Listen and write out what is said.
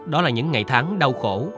đó là những ngày tháng đau khổ